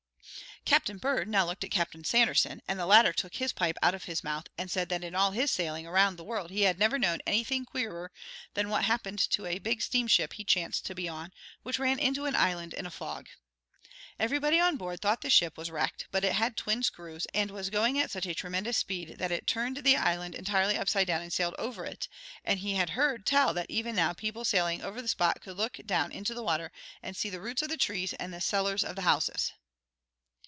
Captain Bird now looked at Captain Sanderson, and the latter took his pipe out of his mouth and said that in all his sailing around the world he had never known anything queerer than what happened to a big steamship he chanced to be on, which ran into an island in a fog. Everybody on board thought the ship was wrecked, but it had twin screws, and was going at such a tremendous speed that it turned the island entirely upside down and sailed over it, and he had heard tell that even now people sailing over the spot could look down into the water and see the roots of the trees and the cellars of the houses.